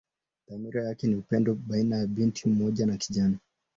Dhamira yake ni upendo baina binti mmoja na kijana.